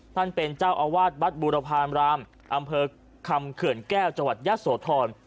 ท่านเป็นเจ้าอาวาสบัตรบุรพรรณรามอำเภอคำเขื่อนแก้วจยศโฑธร